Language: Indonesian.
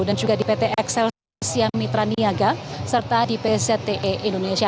dan juga di pt excel siam mitra niaga serta di pt zte indonesia